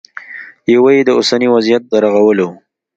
یوه یې د اوسني وضعیت د رغولو